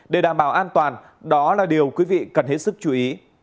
để đảm bảo an toàn đó là điều quý vị cần hết sức chú ý